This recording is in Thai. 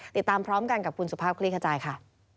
ติดตามพร้อมกันกับคุณสุภาพคลี่ขจายค่ะ